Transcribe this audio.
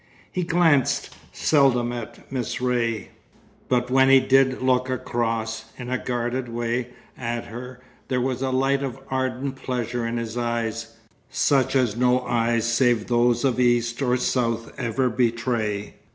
He glanced seldom at Miss Ray, but when he did look across, in a guarded way, at her, there was a light of ardent pleasure in his eyes, such as no eyes save those of East or South ever betray.